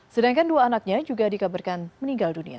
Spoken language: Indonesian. sedangkan dua anaknya juga dikabarkan meninggal dunia